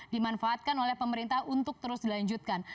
dimanfaatkan oleh pemerintah untuk terus dilanjutkan